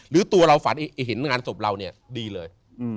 หรือตัวเราฝันเห็นงานศพเราเนี่ยดีเลย